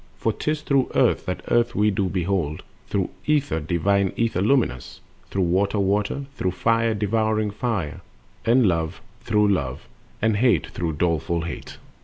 For 'tis through Earth that Earth we do behold, Through Ether, divine Ether luminous, Through Water, Water, through Fire, devouring Fire, And Love through Love, and Hate through doleful Hate.